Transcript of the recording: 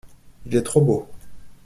Il est trop beau.